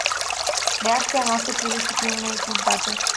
Reacția noastră trebuie să fie una echilibrată.